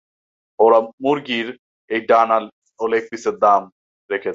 ওরা মুরগীর এই ডানা ও লেগ পিসের দাম রেখেছে।